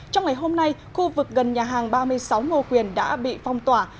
trong ngày hôm nay khu vực gần nhà hàng ba mươi sáu ngô quyền đã bị phong tỏa